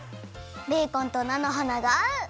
ベーコンとなのはながあう！